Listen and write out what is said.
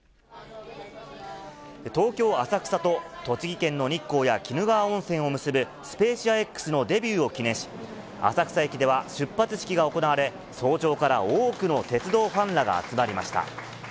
東京・浅草と栃木県の日光や鬼怒川温泉を結ぶ、スペーシアＸのデビューを記念し、浅草駅では出発式が行われ、早朝から多くの鉄道ファンらが集まりました。